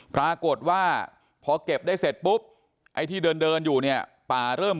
ปรากฏว่าพอเก็บได้เสร็จปุ๊บไอ้ที่เดินเดินอยู่เนี่ยป่าเริ่ม